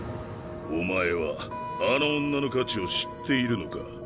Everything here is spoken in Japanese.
お前はあの女の価値を知っているのか？